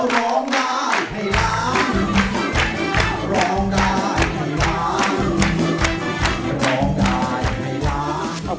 ร้องได้ให้ล้านลูกสู้ชีวิต